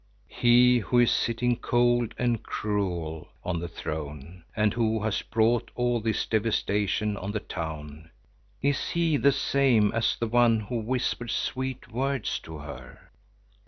He who is sitting cold and cruel on the throne and who has brought all this devastation on the town, is he the same as the one who whispered sweet words to her?